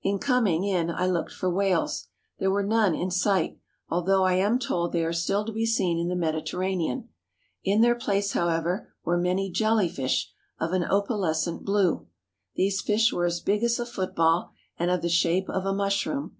In coming in I looked for whales. There were none in sight, although I am told they are still to be seen in the Mediterranean. In their place, however, were many jellyfish of an opalescent blue. These fish were as big as a football and of the shape of a mushroom.